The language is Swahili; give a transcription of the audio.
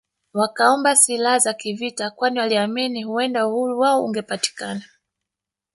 Wakaomba silaha za kivita kwani waliamini huenda uhuru wao ungepatikana